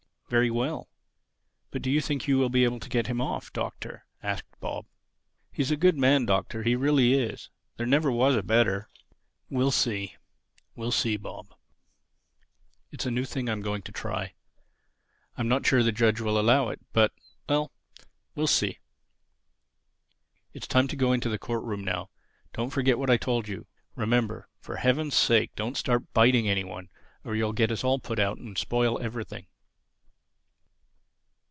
"Very well. But do you think you will be able to get him off, Doctor?" asked Bob. "He's a good man, Doctor. He really is. There never was a better." "We'll see, we'll see, Bob. It's a new thing I'm going to try. I'm not sure the judge will allow it. But—well, we'll see. It's time to go into the court room now. Don't forget what I told you. Remember: for Heaven's sake don't start biting any one or you'll get us all put out and spoil everything."